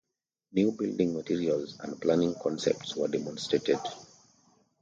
New building materials and planning concepts were demonstrated.